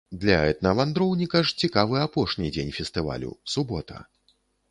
Для этнавандроўніка ж цікавы апошні дзень фестывалю, субота.